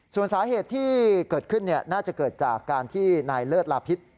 ส่วนสาเหตุที่เกิดขึ้นน่าจะเกิดจากการที่นายเลิศลาพิษ